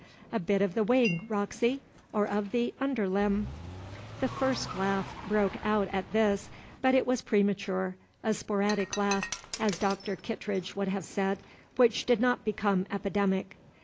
"A bit of the wing, Roxy, or of the under limb?" The first laugh broke out at this, but it was premature, a sporadic laugh, as Dr. Kittredge would have said, which did not become epidemic.